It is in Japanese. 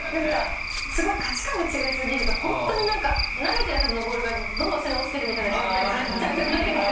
スゴい価値観が違いすぎると本当になんか投げてるはずのボールがどんどん下に落ちてるみたいな状態になっちゃうじゃないですか。